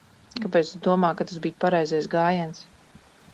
Kāpēc tu domā, ka tas bija pareizais gājiens?